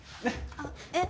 あっえっ？